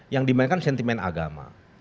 yang dimainkan sentimen agama